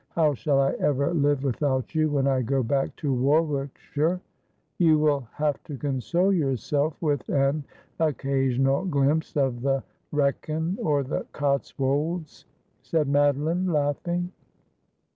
How shall I ever live without you when I go back to Warwick shire ?' 'You will have to console yourself with an occasional glimpse of the Wrekin or the Cotswolds,' said Madoline, laughing.